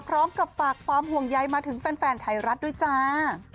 พร้อมกับฝากความห่วงใยมาถึงแฟนไทยรัฐด้วยจ้า